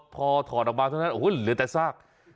พอถอดออกมาเท่านั้นโอ้โหเหลือแต่ซาก